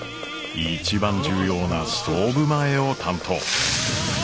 一番重要なストーブ前を担当。